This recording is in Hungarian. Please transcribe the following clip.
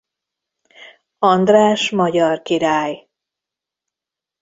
András magyar király.